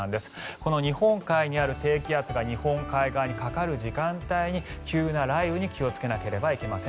この日本海側にある低気圧が日本海側にかかる時間帯は急な雷雨に気をつけなければなりません。